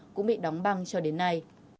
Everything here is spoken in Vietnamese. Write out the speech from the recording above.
cũng bị đóng băng cho đến nay